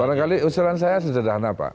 barangkali usulan saya sederhana pak